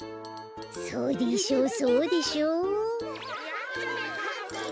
そうでしょうそうでしょう。